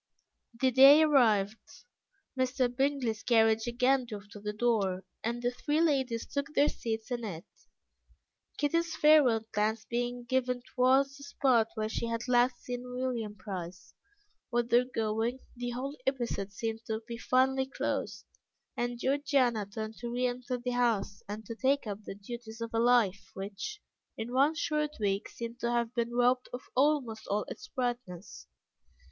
The day arrived, Mr. Bingley's carriage again drove to the door, and the three ladies took their seats in it, Kitty's farewell glance being given towards the spot where she had last seen William Price. With their going, the whole episode seemed to be finally closed, and Georgiana turned to re enter the house, and to take up the duties of a life which, in one short week, seemed to have been robbed of almost all its brightness.